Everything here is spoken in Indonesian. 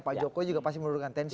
pak jokowi juga pasti menurunkan tensi